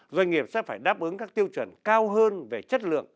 doanh nghiệp sẽ phải đáp ứng các tiêu chuẩn cao hơn về chất lượng